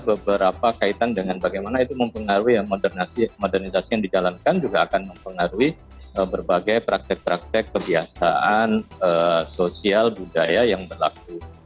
beberapa kaitan dengan bagaimana itu mempengaruhi modernisasi yang dijalankan juga akan mempengaruhi berbagai praktek praktek kebiasaan sosial budaya yang berlaku